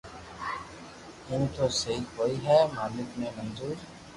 ايم تو سھي ھوئئي جي مالڪ ني منظو